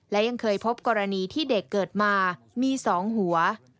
และยังเคยพบกรณีที่เด็กเกิดมามี๒หัว